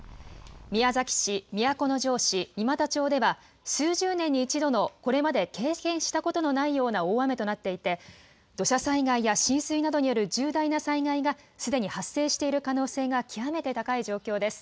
宮崎市、都城市、三股町では、数十年に一度のこれまで経験したことのないような大雨となっていて、土砂災害や浸水などによる重大な災害がすでに発生している可能性が極めて高い状況です。